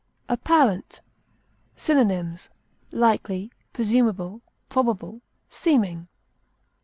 APPARENT. Synonyms: likely, presumable, probable, seeming.